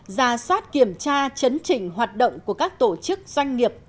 ra soát kiểm tra chấn chỉnh hoạt động của các tổ chức doanh nghiệp